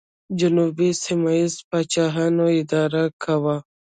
جنوب یې سیمه ییزو پاچاهانو اداره کاوه